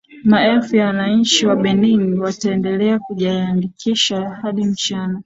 maelfu ya wananchi wa benin wataendelea kujiandikisha hadi mchana